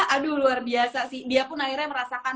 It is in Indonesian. aduh luar biasa sih dia pun akhirnya merasakan